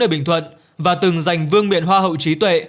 ở bình thuận và từng giành vương nguyện hoa hậu trí tuệ